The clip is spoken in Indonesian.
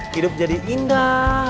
hidup jadi indah